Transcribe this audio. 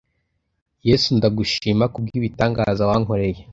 yesu ndagushima kubw'ibitangaza wankoreye